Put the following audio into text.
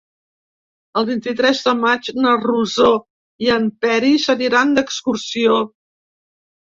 El vint-i-tres de maig na Rosó i en Peris aniran d'excursió.